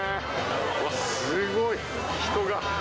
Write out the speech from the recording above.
うわ、すごい、人が。